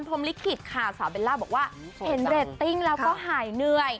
เพื่อเห็นเรตติ้งแล้วก็หายเหนื่อย